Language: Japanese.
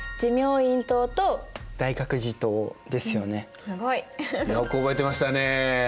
すごい！よく覚えてましたね。